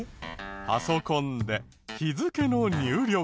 パソコンで日付の入力。